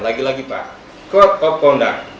lagi lagi pak code of kondak